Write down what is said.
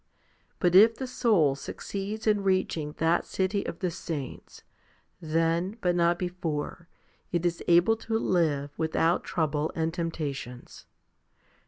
But if the soul succeeds in reaching that city of the saints, then, but not before, it is able to live without trouble and temptations.